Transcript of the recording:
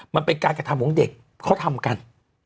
มันเป็นการกระทำของเด็กเขาทำกัน